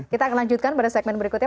kita akan lanjutkan pada segmen berikutnya